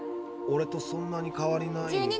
オレとそんなに変わりない。